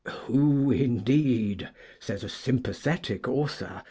'Who, indeed,' says a sympathetic author, M.